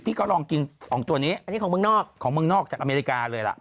ก็ลองกินสองตัวนี้อันนี้ของเมืองนอกของเมืองนอกจากอเมริกาเลยล่ะ